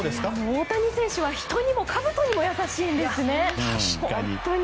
大谷選手は人にもかぶとにも優しいんですね。